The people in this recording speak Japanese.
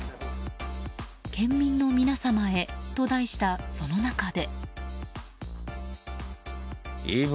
「県民のみなさまへ」と題したその中で。